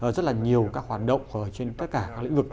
rất là nhiều các hoạt động trên tất cả các lĩnh vực